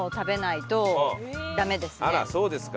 あらそうですか。